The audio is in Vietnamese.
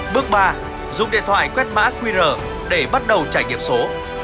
bước ba dùng điện thoại quét mã qr để bắt đầu trải nghiệm số